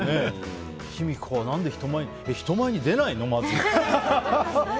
卑弥呼は何でまず人前に出ないの？